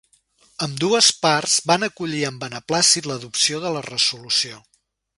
Ambdues parts van acollir amb beneplàcit l'adopció de la resolució.